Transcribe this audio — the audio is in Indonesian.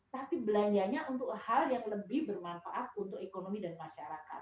tapi belanjanya untuk hal yang lebih bermanfaat untuk ekonomi dan masyarakat